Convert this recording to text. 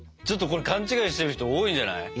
ちょっとこれ勘違いしてる人多いんじゃない？